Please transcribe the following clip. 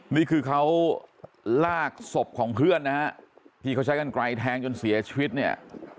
นี่คือเขาลากศพของเพื่อนนะฮะที่เขาใช้กันไกลแทงจนเสียชีวิตเนี่ย